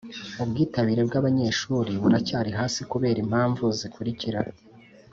Ubwitabire bw abanyeshuri buracyari hasi kubera impamvu zikurikira